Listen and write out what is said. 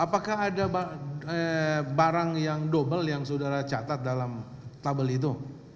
apakah ada barang yang double yang saudara catat dalam tabel itu